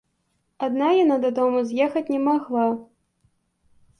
Адна яна дадому з'ехаць не магла.